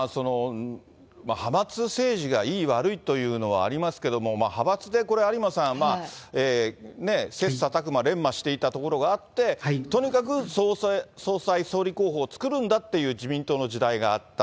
派閥政治がいい、悪いというのはありますけども、派閥で有馬さん、切さたく磨練磨していたところがあって、とにかく総裁、総理候補を作るんだっていう自民党の時代があった。